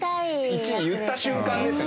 １位言った瞬間ですよ